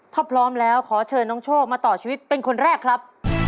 ถ้าพร้อมแล้วขอเชิญน้องโชคมาต่อชีวิตเป็นคนแรกครับ